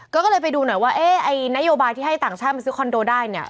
ก็เลยไปดูหน่อยว่าเอ๊ะไอ้นโยบายที่ให้ต่างชาติมาซื้อคอนโดได้เนี่ย